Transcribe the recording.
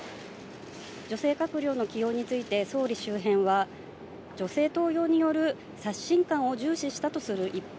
女性閣僚の起用について総理周辺は、女性登用による刷新感を重視したとする一方、